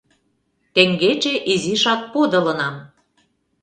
— Теҥгече изишак подылынам.